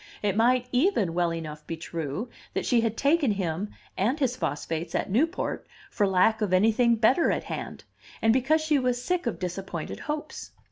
It might even well enough be true that she had taken him and his phosphates at Newport for lack of anything better at hand, and because she was sick of disappointed hopes.